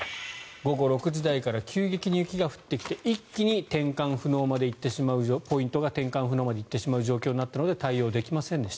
午後６時台から急激に雪が降ってきて一気にポイントが転換不能まで行ってしまう状況になったので対応できませんでした。